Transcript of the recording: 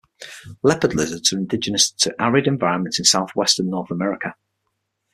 Leopard lizards are indigenous to arid environments of southwestern North America.